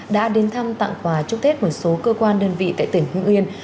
đã đến thăm tặng quà chúc tết một số cơ quan đơn vị tại tỉnh hương yên